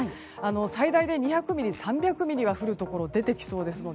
最大で２００ミリ、３００ミリは降るところが出てきそうです。